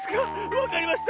わかりました。